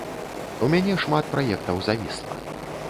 У мяне шмат праектаў завісла.